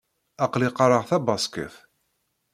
Aql-i qqareɣ tabaṣkit.